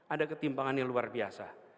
ada ketimpangan yang luar biasa